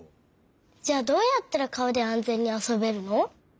じゃあどうやったら川で安全にあそべるの？